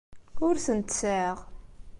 Ur tent-sɛiɣ.